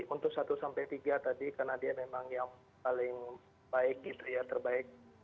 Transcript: untuk satu sampai tiga tadi karena dia memang yang paling baik gitu ya terbaik